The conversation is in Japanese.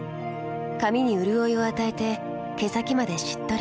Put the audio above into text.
髪にうるおいを与えて毛先までしっとり。